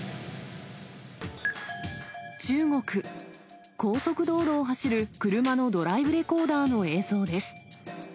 中国、高速道路を走る車のドライブレコーダーの映像です。